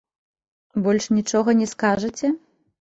Больш нічога не скажаце?